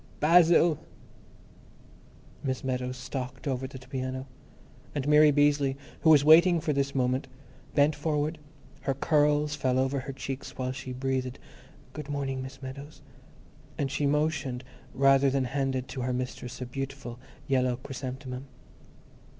Basil! Miss Meadows stalked over to the piano. And Mary Beazley, who was waiting for this moment, bent forward; her curls fell over her cheeks while she breathed, "Good morning, Miss Meadows," and she motioned towards rather than handed to her mistress a beautiful yellow chrysanthemum.